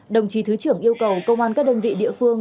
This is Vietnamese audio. đồng chí thứ trưởng yêu cầu công an các đơn vị địa phương